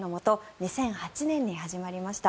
２００８年に始まりました。